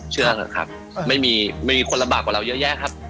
เชื่อเถอะครับไม่มีมีคนลำบากกว่าเราเยอะแยะครับ